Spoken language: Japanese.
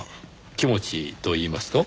気持ちといいますと？